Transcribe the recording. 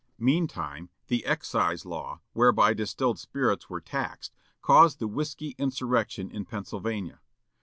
Meantime, the Excise Law, whereby distilled spirits were taxed, caused the "Whiskey Insurrection" in Pennsylvania.